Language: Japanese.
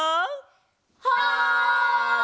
はい！